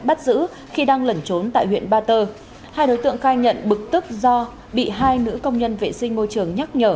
bắt giữ khi đang lẩn trốn tại huyện ba tơ hai đối tượng khai nhận bực tức do bị hai nữ công nhân vệ sinh môi trường nhắc nhở